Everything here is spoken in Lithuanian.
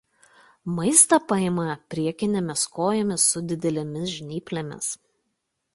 Maistą paima priekinėmis kojomis su didelėmis žnyplėmis.